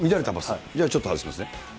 じゃあ、ちょっと外しますね。